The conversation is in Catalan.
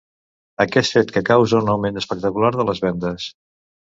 Aquest fet que causa un augment espectacular de les vendes.